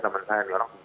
temen saya nih orang